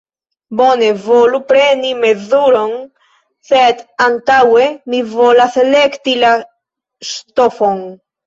Bone, volu preni mezuron, sed antaŭe mi volas elekti la ŝtofon.